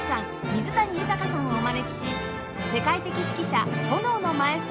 水谷豊さんをお招きし世界的指揮者炎のマエストロこと